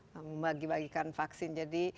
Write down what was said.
membagi bagikan vaksin jadi